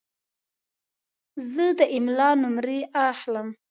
زه د املا نمرې اخلم.